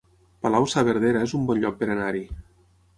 Palau-saverdera es un bon lloc per anar-hi